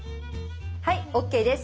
はいＯＫです。